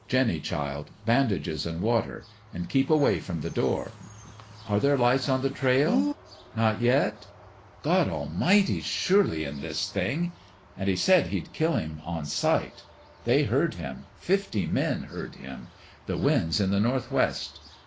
... Jinny, child bandages an' water! And keep away from the door. ... Are there lights on the trail? Not yet? God Almighty's surely FAIRMEADOW'S JUSTICE 237 in this thing. ... And he said he'd kill him on sight. They heard him. Fifty men heard him. ... The wind's in the northwest.